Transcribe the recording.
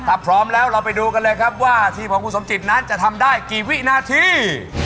ถ้าพร้อมแล้วเราไปดูกันเลยครับว่าทีมของคุณสมจิตนั้นจะทำได้กี่วินาที